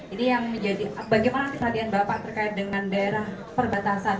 ini yang menjadi bagaimana nanti perhatian bapak terkait dengan daerah perbatasan